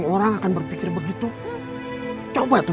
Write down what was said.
marah gak kalau tuti